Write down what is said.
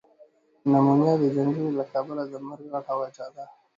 نمونیا ده جنګری له کبله ده مرګ غټه وجه ده۔